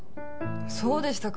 そうでしたか？